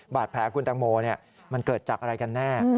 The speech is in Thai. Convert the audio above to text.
บาดแผลคุณตังโมมันเกิดจากอะไรกันแน่